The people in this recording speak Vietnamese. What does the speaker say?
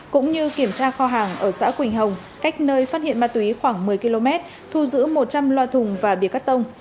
cũng như kiểm tra kho hàng ở xã quỳnh hồng cách nơi phát hiện ma túy khoảng một mươi km thu giữ một trăm linh loa thùng và bìa cắt tông